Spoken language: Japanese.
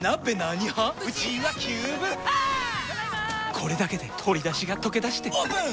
これだけで鶏だしがとけだしてオープン！